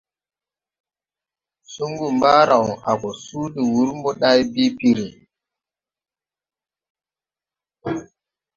Sungu mbaaraw a go suu de wūr moday bii piiri.